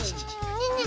ねえねえ